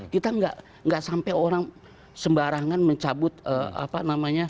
kita nggak sampai orang sembarangan mencabut apa namanya